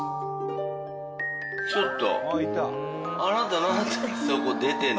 ちょっと。